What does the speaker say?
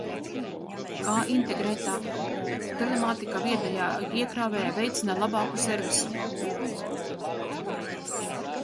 Kā integrētā telemātika viedajā iekrāvējā veicina labāku servisu?